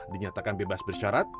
dinyatakan bebas bersyarat